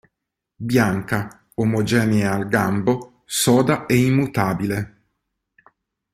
Bianca, omogenea al gambo, soda e immutabile.